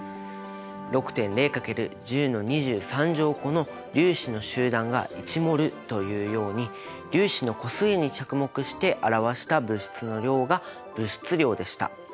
６．０×１０個の粒子の集団が１ｍｏｌというように粒子の個数に着目して表した物質の量が物質量でした。